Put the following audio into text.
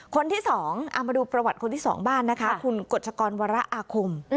คนที่๒เอามาดูประวัติคนที่๒บ้านนะคะคุณกฎชกรวรอาคม